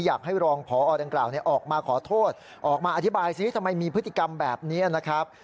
อยากให้รองพอดังกล่าวออกมาขอโทษออกมาอธิบายซิทำไมมีพฤติกรรมแบบนี้นะครับ